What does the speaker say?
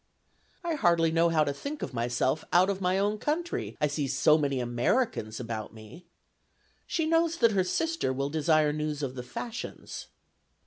"I hardly know how to think myself out of my own country, I see so many Americans about me." She knows that her sister will desire news of the fashions.